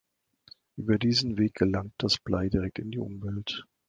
Über diesen Weg gelangt das Blei direkt in die Umwelt.